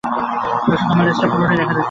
দোস্ত, তোমার লেজটা পুরোটাই দেখা যাচ্ছে।